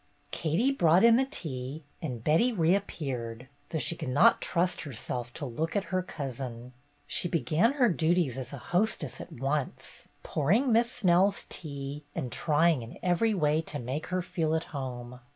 Katie brought in the tea, and Betty reap peared, though she could not trust herself to look at her cousin. She began her duties as a hostess at once, pouring Miss Snell's tea, and trying in every way to make her feel at home.